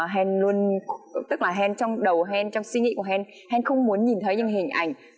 hèn luôn tức là hèn trong đầu hèn trong suy nghĩ của hèn hèn không muốn nhìn thấy những hình ảnh